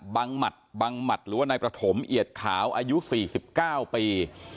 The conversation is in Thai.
หมัดบังหมัดหรือว่านายประถมเอียดขาวอายุ๔๙ปี